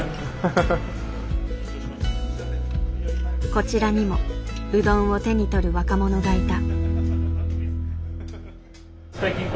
こちらにもうどんを手に取る若者がいた。